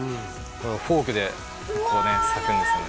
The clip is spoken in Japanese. フォークで裂くんですよね